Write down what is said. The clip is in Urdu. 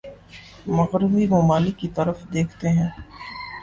مغربی ممالک کی طرف دیکھتے ہیں